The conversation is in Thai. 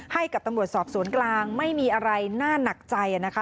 ให้กับตำรวจสอบสวนกลางไม่มีอะไรน่าหนักใจนะคะ